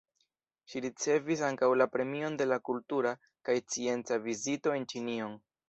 Ŝi ricevis ankaŭ la Premion de la Kultura kaj Scienca Vizito en Ĉinion.